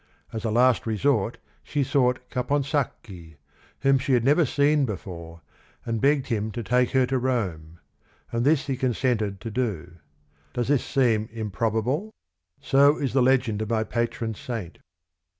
As a last resort she sought Caponsacchi, whom she had never seen before, and begged him to take her to Rome ;— and this he con sented to do. Does this seem improbable ?" So is the legend of my patron saint."